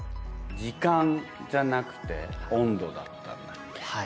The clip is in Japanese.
時間じゃなくて、温度だったり。